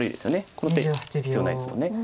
この手必要ないですもんね。